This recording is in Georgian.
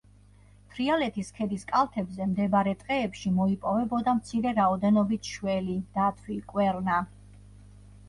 თრიალეთის ქედის კალთებზე მდებარე ტყეებში მოიპოვებოდა მცირე რაოდენობით შველი, დათვი, კვერნა.